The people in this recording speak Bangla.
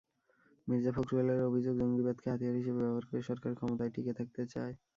মির্জা ফখরুলের অভিযোগ, জঙ্গিবাদকে হাতিয়ার হিসেবে ব্যবহার করে সরকার ক্ষমতায় টিকে থাকতে চায়।